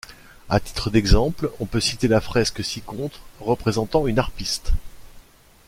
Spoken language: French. À titre d'exemple on peut citer la fresque ci-contre représentant une harpiste.